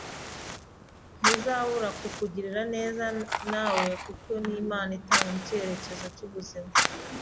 ntizabura kukugirira neza nawe kuko n’ Imana itanga icyerekezo cy’ ubuzima.